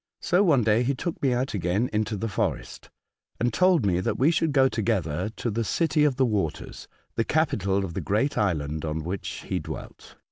So one day he took me out again into the forest, and told me that we should go together to the City of the Waters, the capital of the great island on which he dwelt.